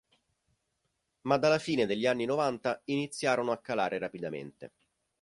Ma dalla fine degli anni novanta iniziarono a calare rapidamente.